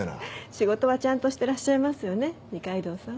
仕事はちゃんとしてらっしゃいますよね二階堂さん。